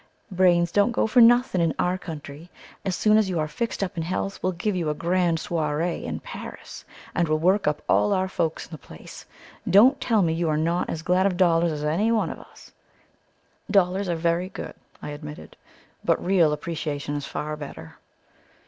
"Brains don't go for nothing in OUR country. As soon as you are fixed up in health, we'll give you a grand soiree in Paris, and we'll work up all our folks in the place. Don't tell me you are not as glad of dollars as any one of us." "Dollars are very good," I admitted, "but real appreciation is far better."